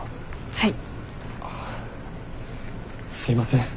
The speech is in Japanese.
はい。